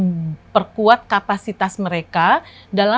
kita mendorong umkm kita semua untuk mampu naik kelas dan bersaing di pasar global